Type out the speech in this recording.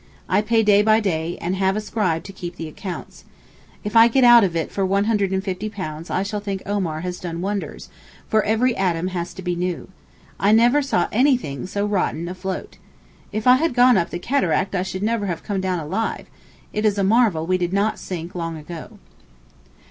I pay day by day, and have a scribe to keep the accounts. If I get out of it for £150 I shall think Omar has done wonders, for every atom has to be new. I never saw anything so rotten afloat. If I had gone up the Cataract I should never have come down alive. It is a marvel we did not sink long ago.